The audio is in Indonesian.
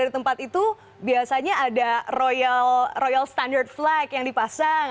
di tempat itu biasanya ada royal standard flag yang dipasang